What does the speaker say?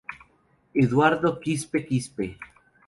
Eduardo Quispe Quispe.